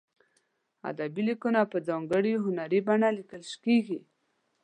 ادبي لیکونه په ځانګړې هنري بڼه لیکل کیږي.